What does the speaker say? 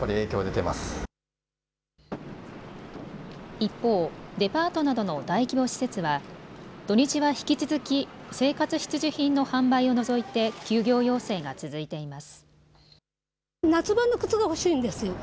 一方、デパートなどの大規模施設は土日は引き続き生活必需品の販売を除いて休業要請が続いています。